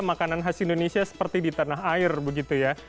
makanan khas indonesia seperti di tanah air begitu ya